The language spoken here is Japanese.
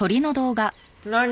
何？